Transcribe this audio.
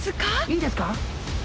いいですか？